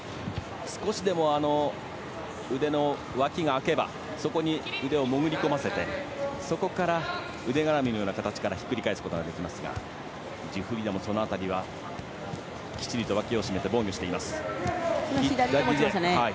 少しでも腕のわきが空けばそこに腕を潜り込ませてそこから腕がらみのような形からひっくり返すことができますがジュフリダも、その辺りはきっちりをわきを締めて防御しています。